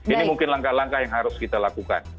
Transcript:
ini mungkin langkah langkah yang harus kita lakukan